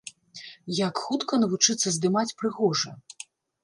Як хутка навучыцца здымаць прыгожа?